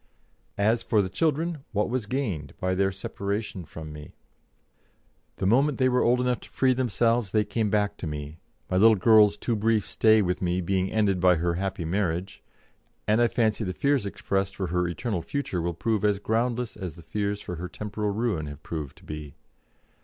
As for the children, what was gained by their separation from me? The moment they were old enough to free themselves, they came back to me, my little girl's too brief stay with me being ended by her happy marriage, and I fancy the fears expressed for her eternal future will prove as groundless as the fears for her temporal ruin have proved to be!